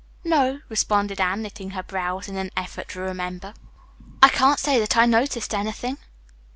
"No," responded Anne, knitting her brows in an effort to remember. "I can't say that I noticed anything."